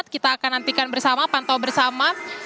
kita akan nantikan bersama pantau bersama